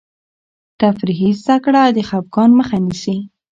تفریحي زده کړه د خفګان مخه نیسي.